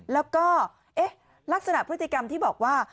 แล้วก็ลักษณะพฤติกรรมที่บอกว่า